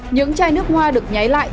những chai nước hoa được nhái lại